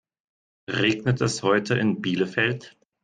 Regnet es heute in Bielefeld?